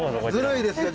ずるいですよ